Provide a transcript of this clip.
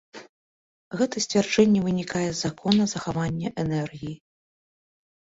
Гэта сцвярджэнне вынікае з закона захавання энергіі.